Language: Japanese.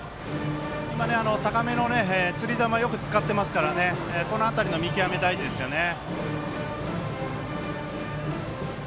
今、高めのつり球よく使ってますからこの辺りの見極め、大事ですね。